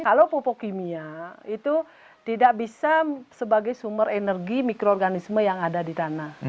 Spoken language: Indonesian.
kalau pupuk kimia itu tidak bisa sebagai sumber energi mikroorganisme yang ada di tanah